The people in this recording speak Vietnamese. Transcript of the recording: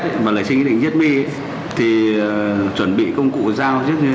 cái việc thù ghét và lấy sinh ý định giết my thì chuẩn bị công cụ dao trước như thế nào